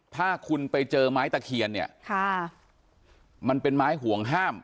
ถ้าคุณไปเจอไม้ตะเคียนเนี่ยค่ะมันเป็นไม้ห่วงห้าม